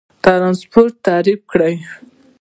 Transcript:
ترانسپورت تعریف کړئ.